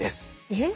えっ？